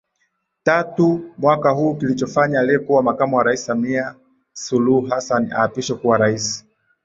tatu mwaka huu kilichofanya aliyekuwa Makamu wa Rais Samia Suluhu Hassan aapishwe kuwa Rais